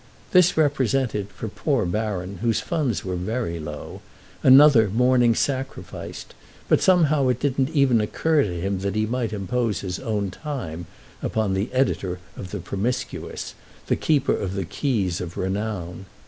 This represented, for poor Baron, whose funds were very low, another morning sacrificed, but somehow it didn't even occur to him that he might impose his own time upon the editor of the Promiscuous, the keeper of the keys of renown.